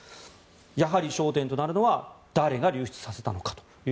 やはり焦点となるのは誰が流出させたのかと。